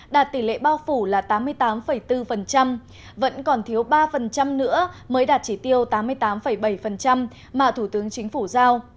đạt tỷ lệ bao phủ là tám mươi tám bốn vẫn còn thiếu ba nữa mới đạt chỉ tiêu tám mươi tám bảy mà thủ tướng chính phủ giao